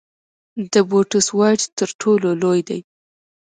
د بوټس وایډ تر ټولو لوی دی.